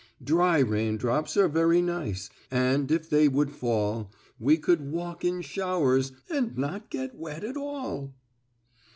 "Dry raindrops are very nice, And if they would fall, We could walk in showers, and Not get wet at all."